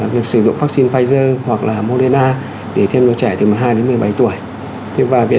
việc sử dụng vaccine pfizer hoặc là moderna để thêm cho trẻ từ một mươi hai đến một mươi bảy tuổi